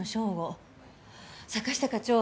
坂下課長